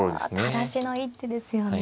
垂らしの一手ですよね。